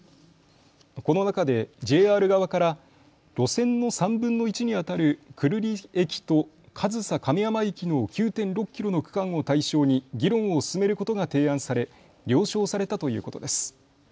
この中でＪＲ側から路線の３分の１にあたる久留里駅と上総亀山駅の９．６キロの区間を対象に議論を進めることが提案され了承されたということです。